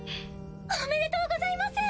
おめでとうございます！